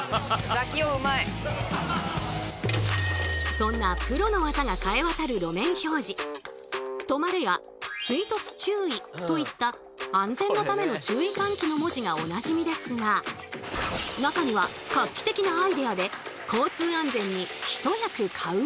そんな「止まれ」や「追突注意」といった安全のための注意喚起の文字がおなじみですが中には画期的なアイデアで交通安全にひと役買うものも！